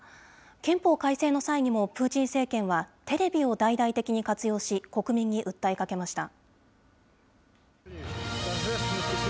憲法改正の際にもプーチン政権は、テレビを大々的に活用し、国民に訴えかけました。